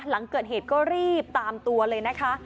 หลังเกิดเหตุก็รีบตามตัวเลยนะคะ